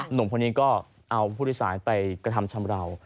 หนุ่มคนนี้ก็เอาผู้โดยสารไปกระทำชำราว